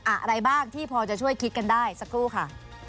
อะไรบ้างที่พอจะช่วยคิดกันได้สักครู่ค่ะ